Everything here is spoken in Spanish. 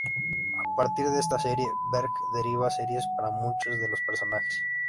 A partir de esta serie, Berg deriva series para muchos de los personajes.